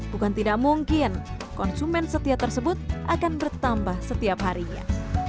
bukan tidak mungkin konsumen setia tersebut akan bertambah setiap harinya